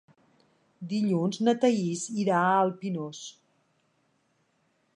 Dilluns na Thaís irà al Pinós.